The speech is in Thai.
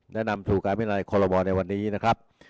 นำสู่การวินัยคอลโลมอลในวันนี้นะครับ